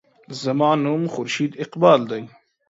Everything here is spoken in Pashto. زما نوم خورشید اقبال دے.